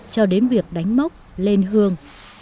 cho đến việc đánh mốc lên hương